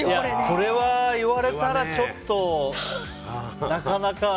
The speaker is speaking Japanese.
これは言われたら、ちょっとなかなか。